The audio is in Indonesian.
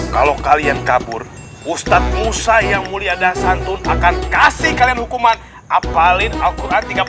kalau kalian kabur ustadz musa yang mulia dasantun akan kasih kalian hukuman apalin alquran tiga puluh